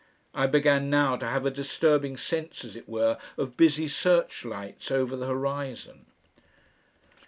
I began now to have a disturbing sense as it were of busy searchlights over the horizon....